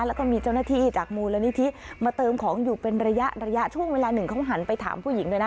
แล้วก็มีเจ้าหน้าที่จากมูลนิธิมาเติมของอยู่เป็นระยะระยะช่วงเวลาหนึ่งเขาหันไปถามผู้หญิงด้วยนะ